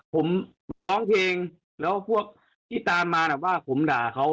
ผมร้องเพลงแล้วพวกที่ตามมาน่ะว่าผมด่าเขา